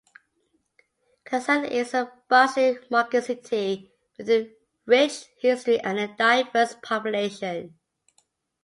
Kazan is a bustling market city with a rich history and a diverse population.